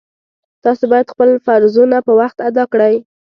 تاسو باید خپل فرضونه په وخت ادا کړئ